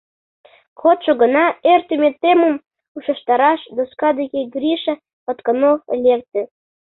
Кодшо гана эртыме темым ушештараш доска деке Гриша Патканов лекте.